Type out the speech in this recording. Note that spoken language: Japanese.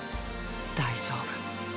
大丈夫。